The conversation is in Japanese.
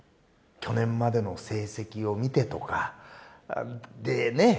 去年までの成績を見てとかでね。